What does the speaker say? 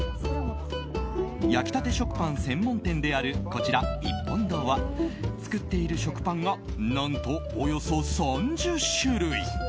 焼きたて食パン専門店であるこちら、一本堂は作っている食パンが何と、およそ３０種類。